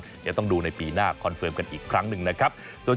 เดี๋ยวต้องดูในปีหน้าคอนเฟิร์มกันอีกครั้งหนึ่งนะครับ